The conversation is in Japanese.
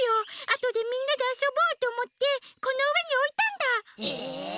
あとでみんなであそぼうとおもってこのうえにおいたんだ！え！？